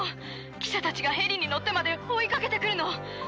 記者たちがへりに乗ってまで追いかけてくるの。